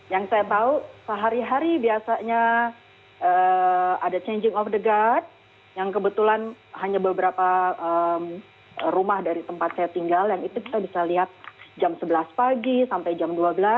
yang saya tahu sehari hari biasanya ada changing of the guard yang kebetulan hanya beberapa rumah dari tempat saya tinggal yang itu kita bisa lihat jam sebelas pagi sampai jam dua belas